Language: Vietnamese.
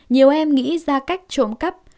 nhiều em nghĩ ra cách trộm cắp